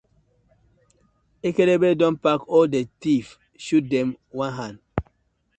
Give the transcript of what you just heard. Ekekebe don pack all the thief shoot dem one hand.